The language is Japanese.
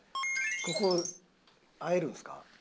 ここ会えるんですか？